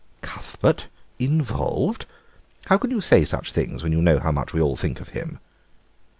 "Cuthbert involved! How can you say such things when you know how much we all think of him?"